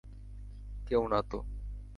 কেউ না তো!